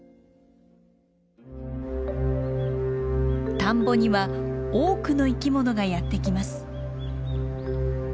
田んぼには多くの生きものがやって来ます。